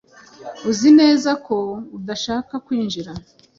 Uzi neza ko udashaka kwinjira?